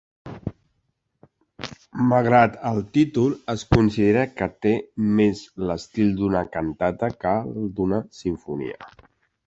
Malgrat el títol, es considera que té més l'estil d'una cantata que el d'una simfonia.